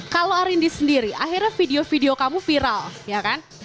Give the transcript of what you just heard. kalau arindi sendiri akhirnya video video kamu viral ya kan